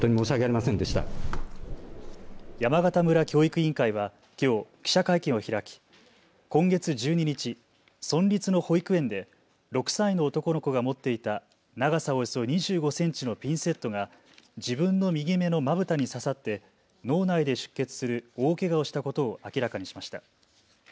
山形村教育委員会はきょう記者会見を開き今月１２日、村立の保育園で６歳の男の子が持っていた長さおよそ２５センチのピンセットが自分の右目のまぶたに刺さって脳内で出血する大けがをしたことを明らかにしました。